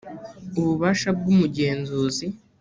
ububasha bw umugenzuzi